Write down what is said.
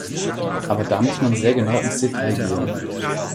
Aber da muss man sehr genau ins Detail gehen.